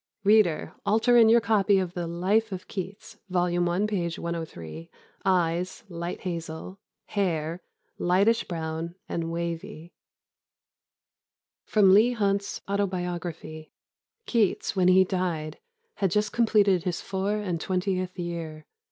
'... Reader, alter, in your copy of the Life of Keats, vol. i. page 103, 'eyes' light hazel, 'hair' lightish brown and wavy." [Sidenote: Leigh Hunt's Autobiography.] "Keats, when he died, had just completed his four and twentieth year.